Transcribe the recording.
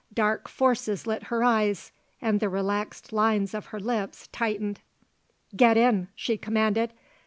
Dark forces lit her eyes and the relaxed lines of her lips tightened. "Get in," she commanded.